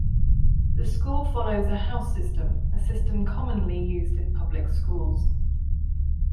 The school follows a house system, a system commonly used in public schools.